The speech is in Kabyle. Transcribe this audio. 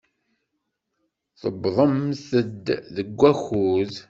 Tewwḍemt-d deg wakud.